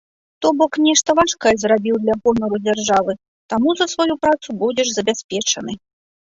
То бок нешта важкае зрабіў для гонару дзяржавы, таму за сваю працу будзеш забяспечаны.